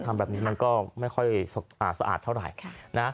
ทำแบบนี้มันก็ไม่ค่อยสะอาดเท่าไหร่นะ